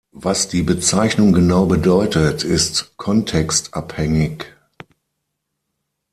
Was die Bezeichnung genau bedeutet ist kontextabhängig.